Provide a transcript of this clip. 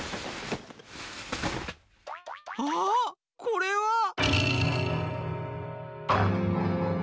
あっこれは！